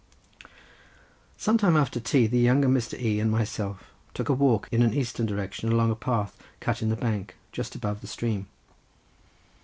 Some time after tea the younger Mr. E. and myself took a walk in an eastern direction along a path cut in the bank, just above the stream.